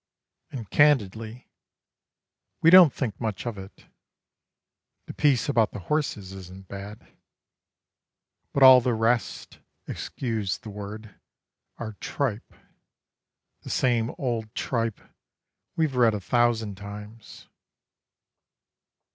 And candidly, we don't think much of it. The piece about the horses isn't bad; But all the rest, excuse the word, are tripe The same old tripe we've read a thousand times.